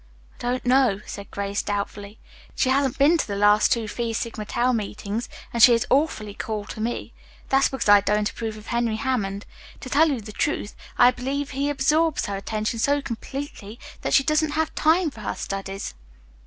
"I don't know," said Grace doubtfully. "She hasn't been to the last two Phi Sigma Tau meetings, and she is awfully cool to me. That's because I don't approve of Henry Hammond. To tell you the truth, I believe he absorbs her attention so completely that she doesn't have time for her studies."